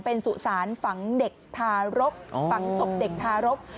เป็นสุสานฝังเด็กทารกฝังศพเด็กทารก